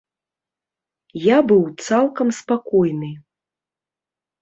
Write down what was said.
Я быў цалкам спакойны.